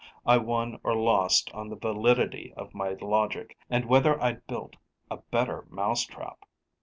I won or lost on the validity of my logic and whether I'd built a better mousetrap.